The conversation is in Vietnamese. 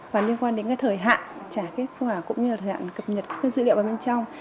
và liên quan đến thời hạn trả kết quả cũng như thời hạn cập nhật dữ liệu bên trong